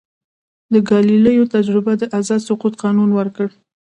د ګالیلیو تجربه د آزاد سقوط قانون ورکړ.